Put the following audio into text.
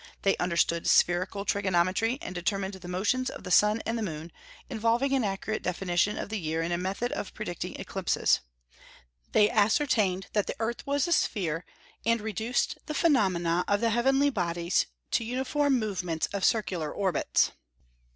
They understood spherical trigonometry, and determined the motions of the sun and moon, involving an accurate definition of the year and a method of predicting eclipses; they ascertained that the earth was a sphere, and reduced the phenomena of the heavenly bodies to uniform movements of circular orbits.